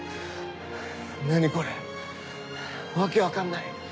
何これ訳分かんない。